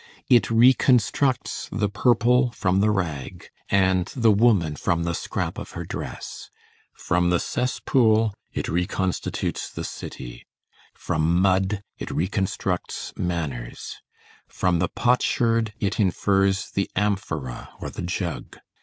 It reconstructs the purple from the rag, and the woman from the scrap of her dress. From the cesspool, it reconstitutes the city; from mud, it reconstructs manners; from the potsherd it infers the amphora or the jug.